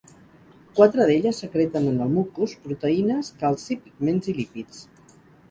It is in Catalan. Quatre d'elles secreten en el mucus proteïnes, calci, pigments i lípids.